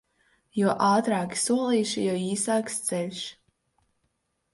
Jo ātrāki solīši, jo īsāks ceļš.